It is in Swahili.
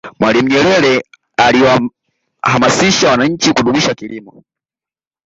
mwalimu nyerere aliwahamasisha wananchi kudumisha kilimo